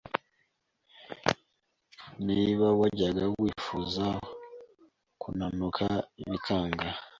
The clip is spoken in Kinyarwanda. Niba wajyaga wifuza kunanuka bikanga,